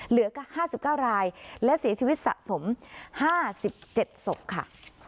เหลือ๕๙รายและเสียชีวิตสะสม๕๗ศพค่ะ